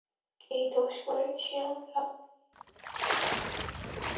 কী দোষ করেছি আমরা?